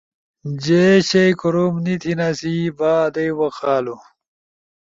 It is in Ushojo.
جے شیئی کوروم نی تھیناسی۔ با آدئی وخ آلو